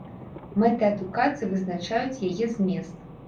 Мэты адукацыі вызначаюць яе змест.